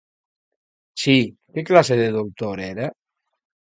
Si, que clase de doutor era?